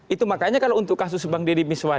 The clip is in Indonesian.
itu makanya kalau untuk kasus bang deddy miswar